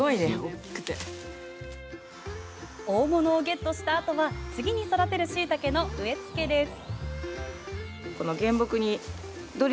大物をゲットしたあとは次に育てるしいたけの植え付けです。